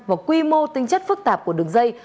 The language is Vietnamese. và quy mô tính chất phức tạp của đường dây